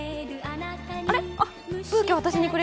あれ？